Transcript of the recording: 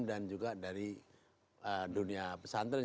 dan juga dari dunia pesantren